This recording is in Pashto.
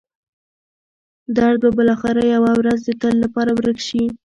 درد به بالاخره یوه ورځ د تل لپاره ورک شي.